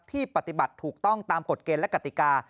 ปฏิบัติถูกต้องตามกฎเกณฑ์และกติกา